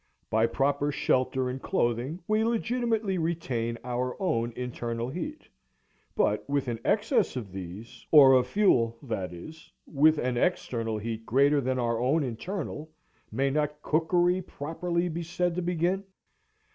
By proper Shelter and Clothing we legitimately retain our own internal heat; but with an excess of these, or of Fuel, that is, with an external heat greater than our own internal, may not cookery properly be said to begin?